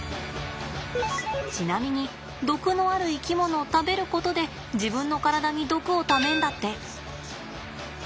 ちなみに毒のある生き物を食べることで自分の体に毒をためんだって。